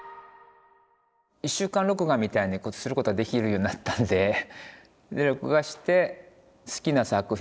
１週間録画みたいにすることができるようになったんでで録画して好きな作品。